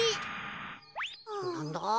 なんだ？